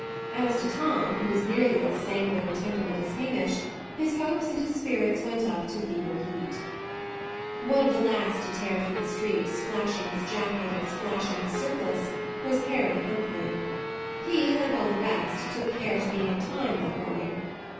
As to Tom, who was nearly as sanguine in temperament as Hamish, his hopes and his spirits went up to fever heat. One of the last to tear through the street, splashing his jacket, and splashing his surplice, was Harry Huntley. He, like all the rest, took care to be in time that morning.